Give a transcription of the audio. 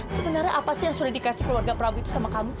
sebenarnya apa sih yang sudah dikasih keluarga prabu itu sama kamu